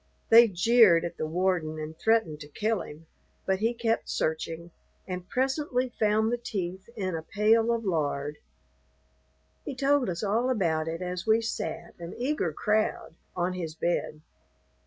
They jeered at the warden and threatened to kill him, but he kept searching, and presently found the teeth in a pail of lard. He told us all about it as we sat, an eager crowd, on his bed.